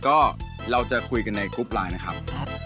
ก็เราจะคุยกันในกรุ๊ปไลน์นะครับ